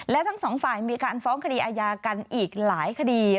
และทั้งสองฝ่ายมีการฟ้องคดีอาญากันอีกหลายคดี